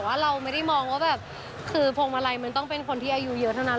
ว่าเราไม่ได้มองว่าแบบคือพวงมาลัยมันต้องเป็นคนที่อายุเยอะเท่านั้น